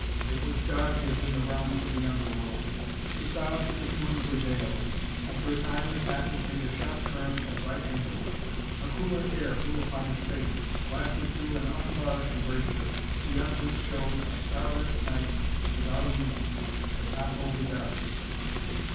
It was dark as in the realms of the underworld. The silence of the tomb prevailed. After a time the passage made a sharp turn at right angles. A cooler air blew upon his face, wafted through an unbarred embrasure, beyond which showed a star lit night without a moon, but not wholly dark.